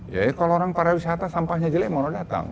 jadi kalau orang para wisata sampahnya jelek mau orang datang